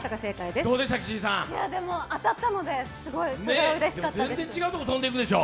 でも、当たったので、そこはうれしかったです。